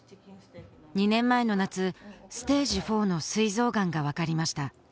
２年前の夏ステージ４のすい臓がんが分かりました